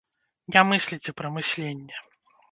Не мысліце пра мысленне.